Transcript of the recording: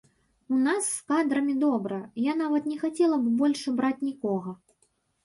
У нас з кадрамі добра, я нават не хацела б больш браць нікога.